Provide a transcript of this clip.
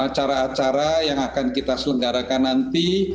jadi saya berpikir bahwa ini adalah hal yang akan kita selenggarakan nanti